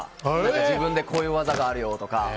自分でこういう技があるよとか。